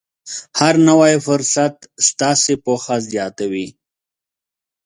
هر نوی فرصت ستاسې پوهه زیاتوي.